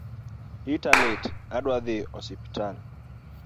Ita lit adwa dhi osiptal